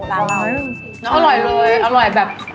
อร่อยเลย